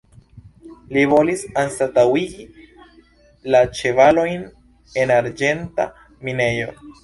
Li volis anstataŭigi la ĉevalojn en arĝenta minejo.